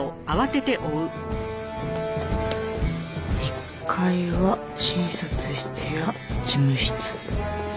１階は診察室や事務室。